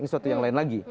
ini suatu yang lain lagi